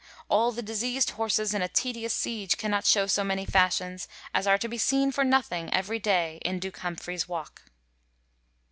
... All the diseased horses in a tedious siege cannot shew so many fashions, as are to be seen for nothing, every day, in Duke Humphrey's Walk.'